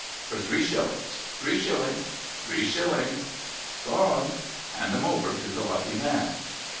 For three shillings, three shillings, three shillings ! Gone. Hand 'em over to the lucky man.'